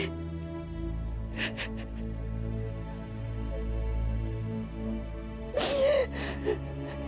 oka dapat mengerti